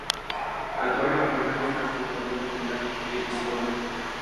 La torre-campanario está junto al lado de la epístola.